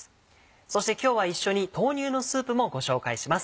そして今日は一緒に「豆乳のスープ」もご紹介します。